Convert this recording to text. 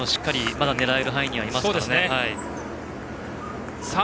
まだ狙える範囲にはいますからね。